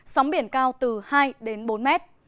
sóng biển cao từ hai đến bốn mét